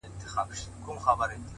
د تورو سترگو وه سورخۍ ته مي”